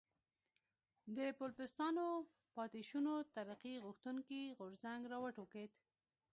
د پوپلستانو پاتې شونو ترقي غوښتونکی غورځنګ را وټوکېد.